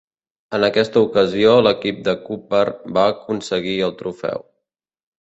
En aquesta ocasió l'equip de Cúper va aconseguir el trofeu.